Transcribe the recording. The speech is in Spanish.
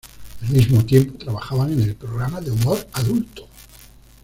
Al mismo tiempo trabajaban en el programa de humor adulto.